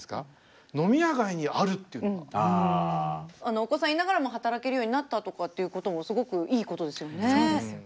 お子さんいながらも働けるようになったとかっていうこともすごくいいことですよね。